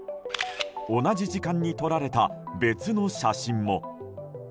同じ時間に撮られた別の写真も。